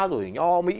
rồi nho mỹ